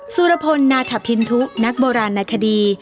สุรพลนาธพินทุนักโบราณนาคดี